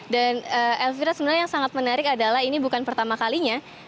dan elvira sebenarnya yang sangat menarik adalah ini bukan pertama kalinya